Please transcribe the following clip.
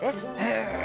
「へえ」